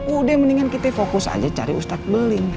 udah mendingan kita fokus aja cari ustadz beling